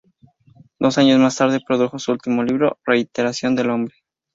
Dos años más tarde produjo su último libro, "Reiteración del Hombre".